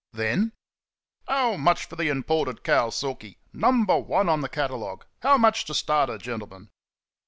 Then: "How much for the imported cow, Silky? No.1 on the catalogue. How much to start her, gentlemen?"